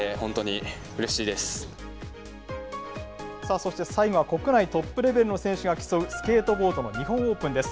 そして最後は国内トップレベルの選手が競う、スケートボードの日本オープンです。